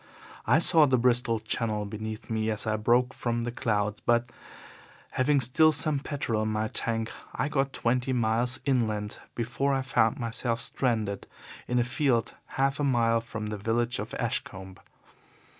I saw the Bristol Channel beneath me as I broke from the clouds, but, having still some petrol in my tank, I got twenty miles inland before I found myself stranded in a field half a mile from the village of Ashcombe.